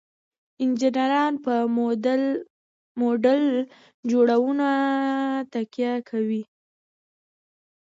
انجینران په موډل جوړونه تکیه کوي.